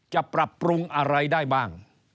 จะปรับปรุงอะไรได้บ้าง